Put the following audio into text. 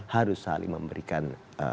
harus saling memberikan